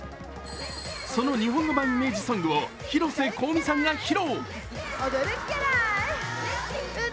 その日本語版イメージソングを広瀬香美さんが披露。